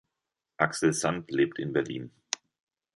Axel Sand lebt in Berlin.